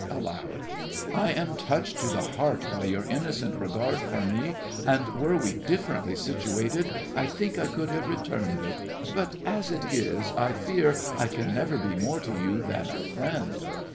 (Aloud.) I am touched to the heart by your innocent regard for me, and were we differently situated, I think I could have returned it. But as it is, I fear I can never be more to you than a friend.